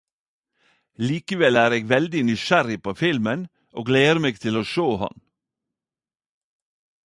Likevel er eg veldig nysgjerrig på filmen og gleder meg til å sjå han.